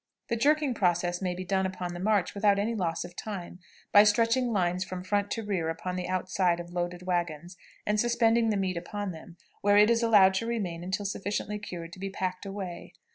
The jerking process may be done upon the march without any loss of time by stretching lines from front to rear upon the outside of loaded wagons, and suspending the meat upon them, where it is allowed to remain until sufficiently cured to be packed away.